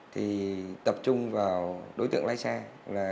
thì tập trung vào đối tượng lai xe